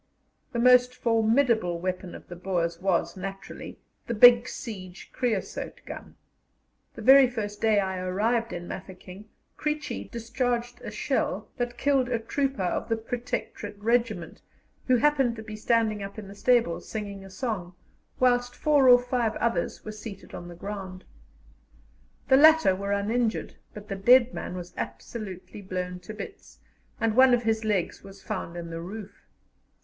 The most formidable weapon of the Boers was, naturally, the big siege Creusot gun. The very first day I arrived in Mafeking "Creechy" discharged a shell that killed a trooper of the Protectorate Regiment, who happened to be standing up in the stables singing a song, whilst four or five others were seated on the ground. The latter were uninjured, but the dead man was absolutely blown to bits, and one of his legs was found in the roof.